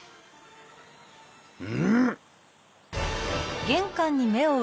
うん！？